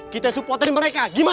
kita supportin mereka gimana